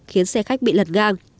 khiến xe khách bị lật ngang